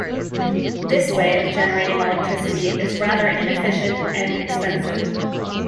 This way of generating electricity is rather inefficient and expensive.